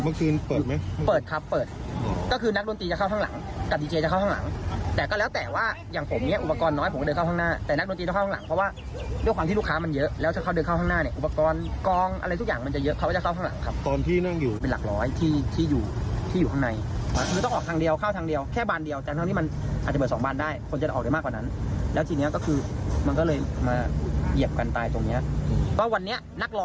เมื่อคืนเปิดไหมเปิดครับเปิดก็คือนักดนตรีจะเข้าข้างหลังกับดีเจจะเข้าข้างหลังแต่ก็แล้วแต่ว่าอย่างผมเนี้ยอุปกรณ์น้อยผมก็เดินเข้าข้างหน้าแต่นักดนตรีจะเข้าข้างหลังเพราะว่าด้วยความที่ลูกค้ามันเยอะแล้วถ้าเขาเดินเข้าข้างหน้าเนี้ยอุปกรณ์กองอะไรทุกอย่างมันจะเยอะเพราะว่าจะเข้าข้างหลังคร